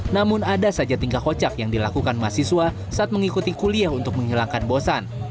namun ada saja tingkah kocak yang dilakukan mahasiswa saat mengikuti kuliah untuk menghilangkan bosan